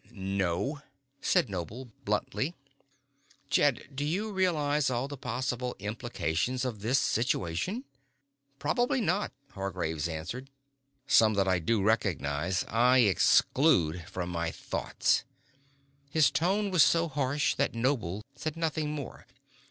"No," said Noble bluntly. "Jed, do you realize all the possible implications of this situation?" "Probably not," Hargraves answered. "Some that I do recognize, I exclude from my thoughts." His tone was so harsh that Noble said nothing more.